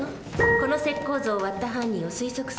この石こう像を割った犯人を推測するの。